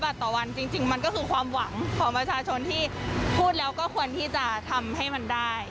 บาทต่อวันจริงมันก็คือความหวังของประชาชนที่พูดแล้วก็ควรที่จะทำให้มันได้